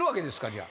じゃあ。